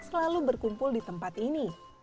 selalu berkumpul di tempat ini